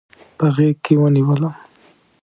په غیږکې ونیولم